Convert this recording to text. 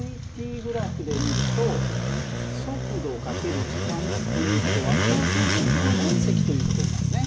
ｔグラフで見ると速度×時間という事はここの長方形の面積という事になるね。